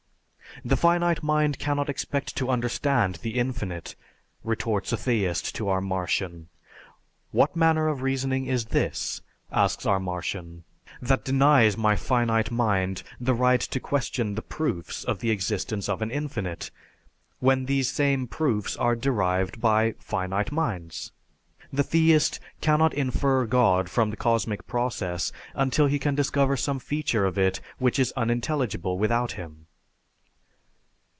"The finite mind cannot expect to understand the Infinite," retorts a theist to our Martian. "What manner of reasoning is this," asks our Martian, "that denies my finite mind the right to question the 'proofs' of the existence of an Infinite, when these same 'proofs' are derived by finite minds? The theist cannot infer God from the cosmic process until he can discover some feature of it which is unintelligible without him."